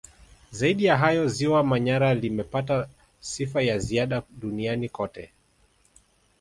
Zaidi ya hayo Ziwa Manyara limepata sifa ya ziada duniani kote